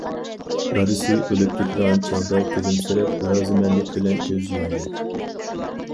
دادىسى ئۆلۈپ كېتىدىغان چاغدا كۈلۈمسىرەپ، رازىمەنلىك بىلەن كۆز يۇمدى.